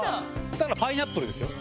ただのパイナップルですよ。